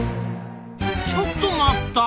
ちょっと待った！